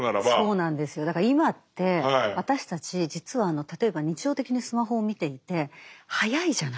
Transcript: だから今って私たち実は例えば日常的にスマホを見ていて速いじゃないですか。